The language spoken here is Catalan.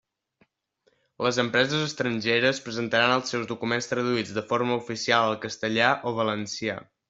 Les empreses estrangeres presentaran els seus documents traduïts de forma oficial al castellà o valencià.